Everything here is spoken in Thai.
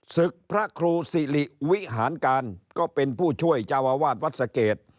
พระครูสิริวิหารการก็เป็นผู้ช่วยเจ้าอาวาสวัดสะเกด